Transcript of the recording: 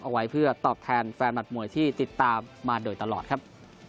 เอาไว้เพื่อตอบแทนแฟนมัดมวยที่ติดตามมาโดยตลอดครับ